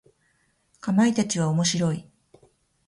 かまいたちは面白い。